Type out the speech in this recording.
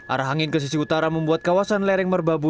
arah angin ke sisi utara membuat kawasan lereng merbabu